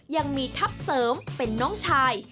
ยังมีทัพเสริมเป็นน้องชาย